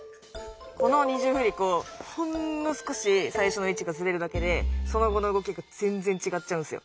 この二重振り子ほんの少し最初の位置がズレるだけでその後の動きが全然違っちゃうんですよ。